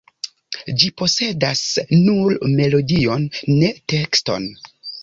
Ĝi posedas nur melodion, ne tekston.